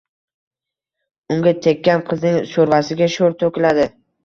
Unga tekkan qizning shoʻrvasiga shoʻr toʻkiladi.